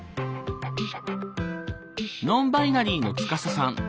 ノンバイナリーのツカサさん。